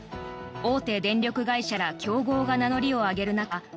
大手電力会社ら強豪が名乗りを上げる中